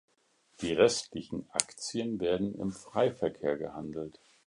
Die restlichen Aktien werden im Freiverkehr gehandelt.